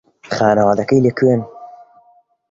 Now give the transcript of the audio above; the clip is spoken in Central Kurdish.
خانەوادەکەی لەکوێن؟